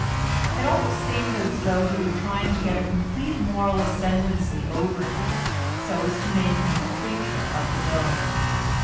It almost seemed as though he were trying to get a complete moral ascendency over him, so as to make him a creature of his own.